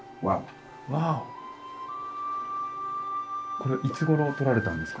これいつごろ撮られたんですか？